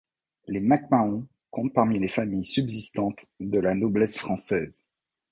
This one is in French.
Les Mac Mahon compte parmi les familles subsistantes de la noblesse française.